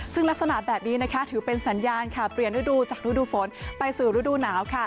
ซึ่งลักษณะแบบนี้นะคะถือเป็นสัญญาณค่ะเปลี่ยนฤดูจากฤดูฝนไปสู่ฤดูหนาวค่ะ